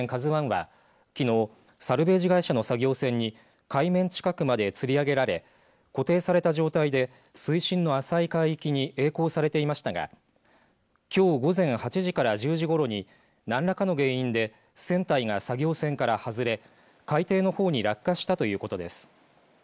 ＫＡＺＵＩはきのうサルベージ会社の作業船に海面近くまでつり上げられ固定された状態で水深の浅い海域にえい航されていましたがきょう午前８時から１０時ごろに何らかの原因で船体が作業船から外れ海底のほうに落下したということです。